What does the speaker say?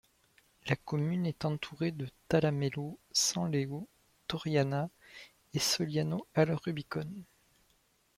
La commune est entourée de Talamello, San Leo, Torriana e Sogliano al Rubicone.